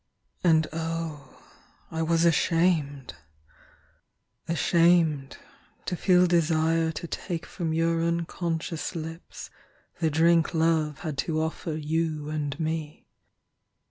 10 And oh, I was ashamed—ashamed to feel Desire to take from your unconscious lips The drink love had to offer you and me.